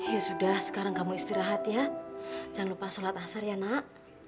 ya sudah sekarang kamu istirahat ya jangan lupa sholat asar ya nak